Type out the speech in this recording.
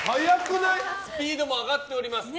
スピードも上がっております。